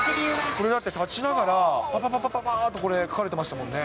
これだって、立ちながらぱぱぱぱっと、これ、描かれてましたもんね。